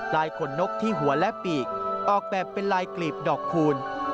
ขนนกที่หัวและปีกออกแบบเป็นลายกลีบดอกคูณ